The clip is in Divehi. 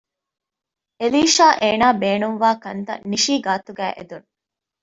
އެލީޝާ އޭނަ ބޭނުންވާ ކަންތަށް ނިޝީ ގާތުގައި އެދުން